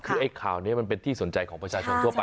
คือไอ้ข่าวนี้มันเป็นที่สนใจของประชาชนทั่วไป